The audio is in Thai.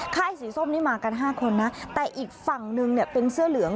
ค่ายสีส้มนี่มากัน๕คนนะแต่อีกฝั่งนึงเนี่ยเป็นเสื้อเหลือง